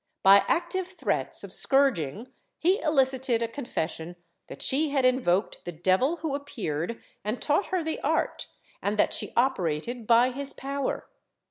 By active threats of scourging he elicited a confession that she had invoked the devil who appeared and taught her the art, and that she operated by his power.